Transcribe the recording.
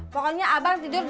pokoknya abang tidur di luar aja